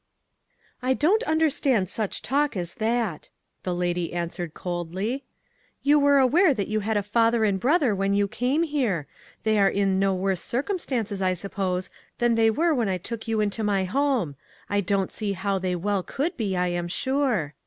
"I don't understand such talk as that," the lady answered coldly. "You were aware that you had a father and brother when you came here ; they are in no worse cir cumstances, I suppose, than they were when I took you into my hoi^e ; I don't see how they well could be, I am sure.